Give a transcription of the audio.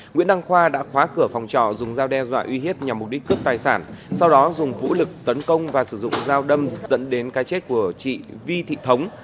nguyễn đăng khoa đã khóa cửa phòng trọ dùng dao đe dọa uy hiếp nhằm mục đích cướp tài sản sau đó dùng vũ lực tấn công và sử dụng dao đâm dẫn đến cái chết của chị vi thị thống